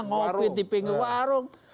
ngopi di pinggu warung